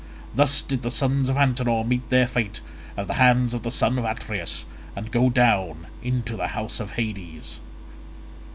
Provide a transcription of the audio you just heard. Thus did the sons of Antenor meet their fate at the hands of the son of Atreus, and go down into the house of Hades.